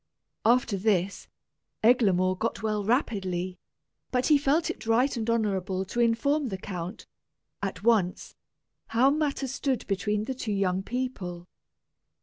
After this, Eglamour got well rapidly; but he felt it right and honorable to inform the count, at once, how matters stood between the two young people.